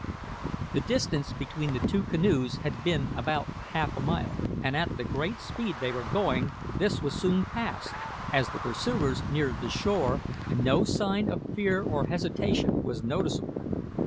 The distance between the two canoes had been about half a mile, and at the great speed they were going, this was soon passed. As the pursuers neared the shore, no sign of fear or hesitation was noticeable.